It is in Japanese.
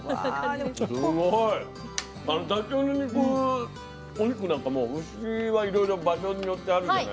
ダチョウのお肉なんかも牛はいろいろ場所によってあるじゃないですか。